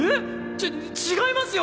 ち違いますよ